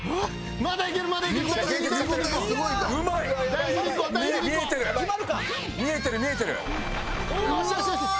まだいけるまだいける。